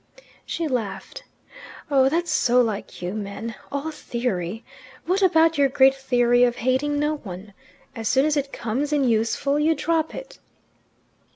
She laughed. "Oh, that's so like you men all theory! What about your great theory of hating no one? As soon as it comes in useful you drop it."